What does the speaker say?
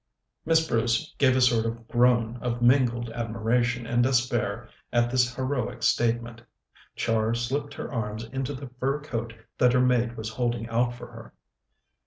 Miss Bruce gave a sort of groan of mingled admiration and despair at this heroic statement. Char slipped her arms into the fur coat that her maid was holding out for her.